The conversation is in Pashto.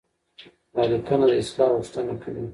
دا ليکنه د اصلاح غوښتنه کوي.